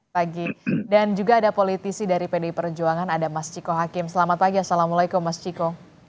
selamat pagi dan juga ada politisi dari pdi perjuangan ada mas ciko hakim selamat pagi assalamualaikum mas ciko